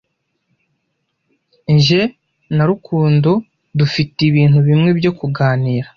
Jye na Rukundo dufite ibintu bimwe byo kuganira.